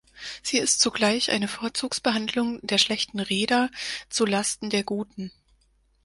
Sie ist zugleich eine Vorzugsbehandlung der schlechten Reeder zu Lasten der guten.